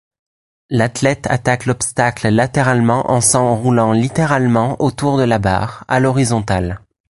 L'athlète attaque l'obstacle latéralement en s'enroulant littéralement autour de la barre, à l'horizontale.